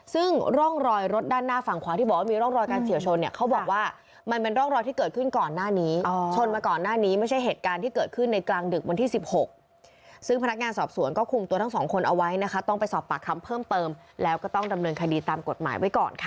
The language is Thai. ซึ่งล่องรอยรถด้านหน้าฝั่งขวานที่บอกว่ามีล่องรอย